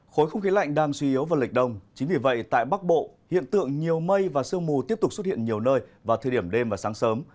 khối không khí lạnh đang suy yếu vào lịch đông chính vì vậy tại bắc bộ hiện tượng nhiều mây và sương mù tiếp tục xuất hiện nhiều nơi vào thời điểm đêm và sáng sớm